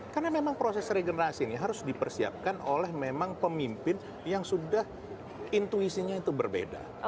karena memang proses regenerasi ini harus dipersiapkan oleh memang pemimpin yang sudah intuisinya itu berbeda